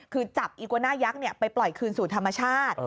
คือจับอีกวนะยักษ์ในหน้าไปปล่อยคืนสู่ธรรมชาติ